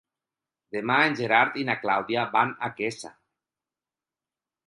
Demà en Gerard i na Clàudia van a Quesa.